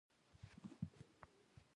آیا پښتون د باطل مخالف نه دی؟